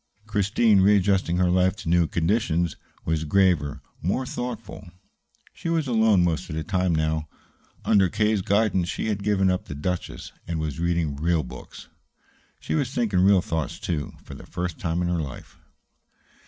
Christine, readjusting her life to new conditions, was graver, more thoughtful. She was alone most of the time now. Under K.'s guidance, she had given up the "Duchess" and was reading real books. She was thinking real thoughts, too, for the first time in her life.